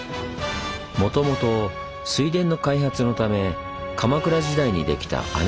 もともと水田の開発のため鎌倉時代にできた姉川集落。